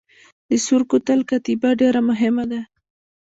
د سور کوتل کتیبه ډیره مهمه ده